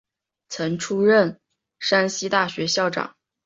曾出任山西大学校长。